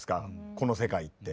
この世界って。